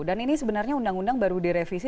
dan ini sebenarnya undang undang baru direvisi